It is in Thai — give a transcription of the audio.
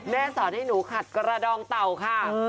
สอนให้หนูขัดกระดองเต่าค่ะ